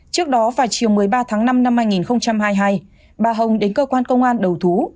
trước đó vào chiều một mươi ba tháng năm năm hai nghìn hai mươi hai bà hồng đến cơ quan công an đầu thú